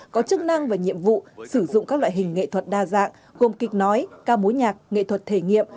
có chức năng và nhiệm vụ sử dụng các loại hình nghệ thuật đa dạng gồm kịch nói ca mối nhạc nghệ thuật thể nghiệm